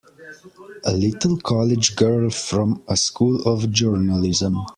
A little college girl from a School of Journalism!